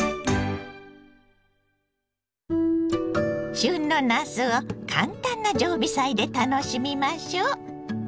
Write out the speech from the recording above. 旬のなすを簡単な常備菜で楽しみましょう。